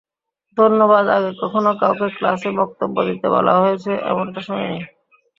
ধন্যবাদ আগে কখনও কাউকে ক্লাসে বক্তব্য দিতে বলা হয়েছে, এমনটা শুনিনি।